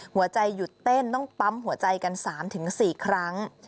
หัวใจหยุดเต้นต้องปั๊มหัวใจกัน๓๔ครั้ง